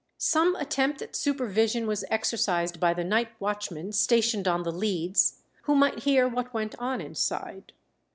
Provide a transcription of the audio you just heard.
Some attempt at supervision was exercised by the night watchman stationed on the leads, who might hear what went on inside.